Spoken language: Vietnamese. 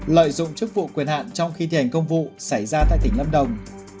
lợi dụng chức vụ quyền hạn trong khi thi hành công vụ xảy ra tại tỉnh lâm đồng